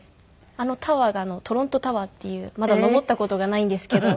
あのタワーがトロントタワーっていうまだ昇った事がないんですけど。